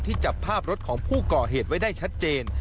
จับภาพรถของผู้ก่อเหตุไว้ได้ชัดเจน